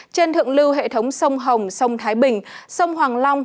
trên thượng lưu hệ thống sông hồng sông thái bình sông hoàng long